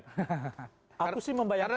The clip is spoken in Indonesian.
berimplikasi pada aman dengan undang undang